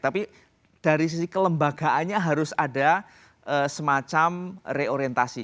tapi dari sisi kelembagaannya harus ada semacam reorientasi